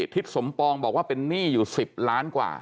ทิศสมปองบอกว่าเป็นหนี้อยู่๑๐ล้านกว่า